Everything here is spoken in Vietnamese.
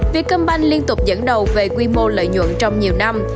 vietcombank liên tục dẫn đầu về quy mô lợi nhuận trong nhiều năm